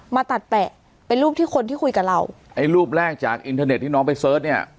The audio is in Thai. มาตัดแปะเป็นรูปที่คนที่คุยกับเราไอ้รูปแรกจากอินเทอร์เน็ตที่น้องไปเสิร์ชเนี่ย